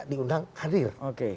tidak diundang hadir